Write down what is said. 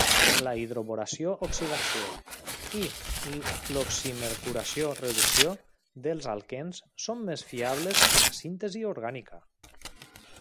La hidroboració-oxidació i l'oximercuració-reducció dels alquens són més fiables en la síntesi orgànica.